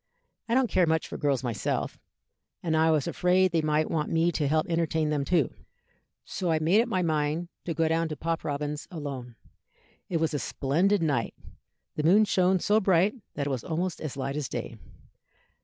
I don't care much for girls myself, and I was afraid they might want me to help entertain them too, so I made up my mind to go down to Pop Robins's alone. It was a splendid night; the moon shone so bright that it was almost as light as day.